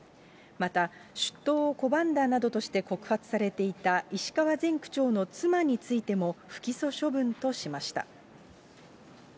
また、出頭を拒んだなどとして告発されていた石川前区長の妻についても不起訴処分としました。